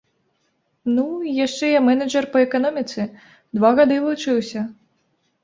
Ну, і яшчэ я мэнэджар па эканоміцы, два гады вучыўся.